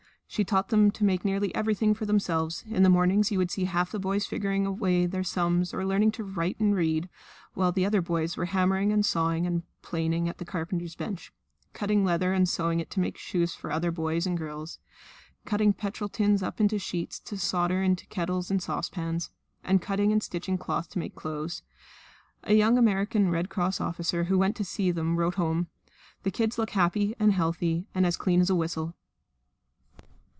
She taught them to make nearly everything for themselves. In the mornings you would see half the boys figuring away at their sums or learning to write and read, while the other boys were hammering and sawing and planing at the carpenter's bench; cutting leather and sewing it to make shoes for the other boys and girls; cutting petrol tins up into sheets to solder into kettles and saucepans; and cutting and stitching cloth to make clothes. A young American Red Cross officer who went to see them wrote home, "The kids look happy and healthy and as clean as a whistle."